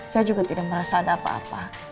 saya juga tidak merasa ada apa apa